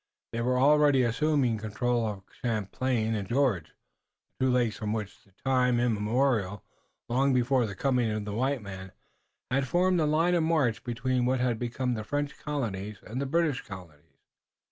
They were already assuming control of Champlain and George, the two lakes which from time immemorial, long before the coming of the white man, had formed the line of march between what had become the French colonies and the British colonies.